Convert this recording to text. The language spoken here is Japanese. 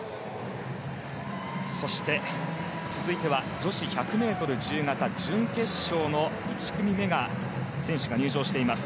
そして、続いては女子１００ｍ自由形準決勝の１組目の選手が入場しています。